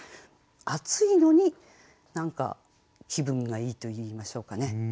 暑いのに何か気分がいいといいましょうかね。